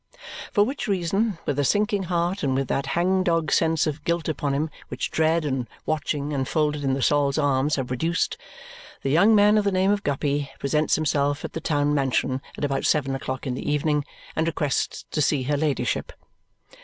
For which reason, with a sinking heart and with that hang dog sense of guilt upon him which dread and watching enfolded in the Sol's Arms have produced, the young man of the name of Guppy presents himself at the town mansion at about seven o'clock in the evening and requests to see her ladyship.